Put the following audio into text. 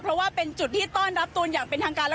เพราะว่าเป็นจุดที่ต้อนรับตูนอย่างเป็นทางการแล้ว